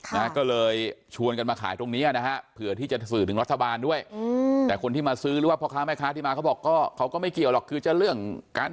นะฮะก็เลยชวนกันมาขายตรงนี้นะฮะ